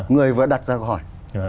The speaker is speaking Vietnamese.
người vừa đặt ra câu hỏi